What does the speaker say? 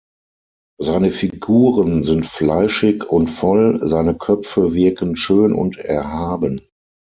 Seine Figuren sind fleischig und voll, seine Köpfe wirken schön und erhaben.